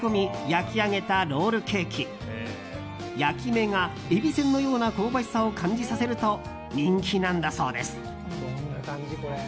焼き目がえびせんのような香ばしさを感じさせると人気なんだそうです。